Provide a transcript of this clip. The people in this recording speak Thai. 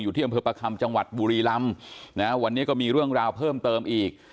อยู่ที่อันเผื่อประคัมจังหวัดบุรีรั้มวันนี้ก็มีเรื่องราวเพิ่มเติมอีก